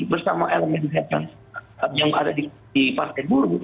bersama elemen yang ada di partai buru